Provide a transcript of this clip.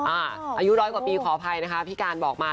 อายุร้อยกว่าปีขออภัยนะคะพี่การบอกมา